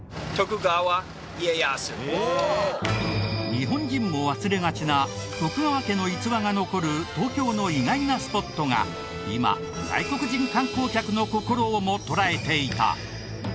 日本人も忘れがちな徳川家の逸話が残る東京の意外なスポットが今外国人観光客の心をも捉えていた。